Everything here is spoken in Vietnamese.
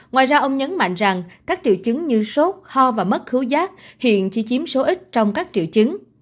ngoài ra ông nhấn mạnh rằng các triệu chứng như sốt ho và mất hữu giác hiện chỉ chiếm số ít trong các triệu chứng